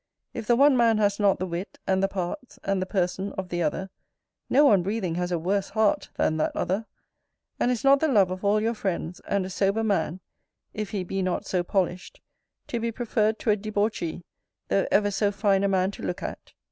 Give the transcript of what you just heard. If the one man has not the wit, and the parts, and the person, of the other, no one breathing has a worse heart than that other: and is not the love of all your friends, and a sober man (if he be not so polished) to be preferred to a debauchee, though ever so fine a man to look at?